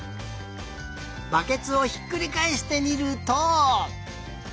バケツをひっくりかえしてみると。